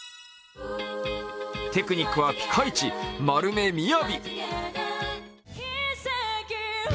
テクニックはピカイチ丸目雅。